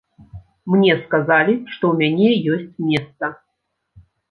Мне сказалі, што ў мяне ёсць месца.